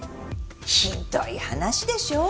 ひどい話でしょ？